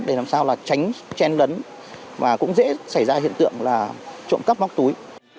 để làm sao là tránh chen lấn và cũng dễ xảy ra hiện tượng là trộm cắp móc túi